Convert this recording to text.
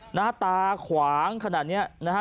หน้าตาขวางขนาดนี้นะฮะ